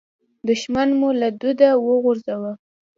دوښمن مو له دوده وغورځاوو.